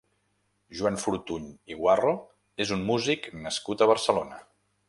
Joan Fortuny i Guarro és un músic nascut a Barcelona.